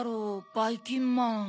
ばいきんまん。